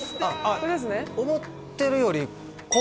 これですね